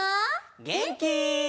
げんき？